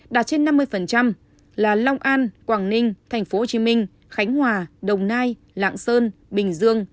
đạt trên năm mươi là long an quảng ninh tp hcm khánh hòa đồng nai lạng sơn bình dương